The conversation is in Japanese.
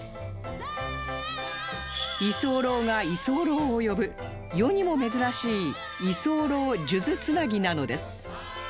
居候が居候を呼ぶ世にも珍しい居候数珠つなぎなのです